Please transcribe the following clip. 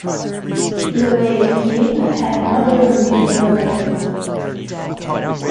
The late king had not even been buried.